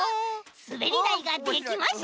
すべりだいができました！